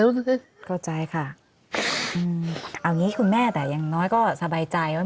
เอาอย่างนี้คุณแม่ยังน้อยก็สบายใจว่า